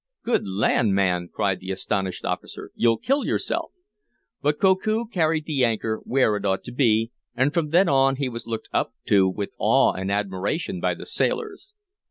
"Good land, man!" cried the astonished officer. "You'll kill yourself!" But Koku carried the anchor where it ought to go, and from then on he was looked up to with awe and admiration by the sailors.